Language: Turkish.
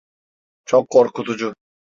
Çok korkutucu.